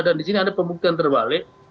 dan di sini ada pembuktian terbalik